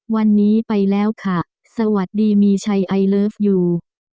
วันนี้ไปแล้วค่ะสวัสดีมีชัยไอเลิฟยู